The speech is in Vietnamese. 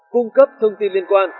cung cấp thông tin liên quan